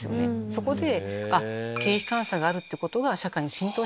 そこで。